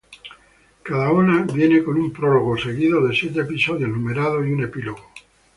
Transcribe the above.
Cada una viene con un prólogo, seguido de siete episodios numerados y un epílogo.